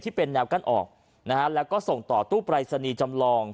เป็นแนวกั้นออกนะฮะแล้วก็ส่งต่อตู้ปรายศนีย์จำลอง